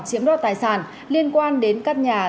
chiếm đoạt tài sản liên quan đến các nhà